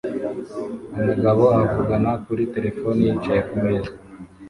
Umugabo avugana kuri terefone yicaye ku meza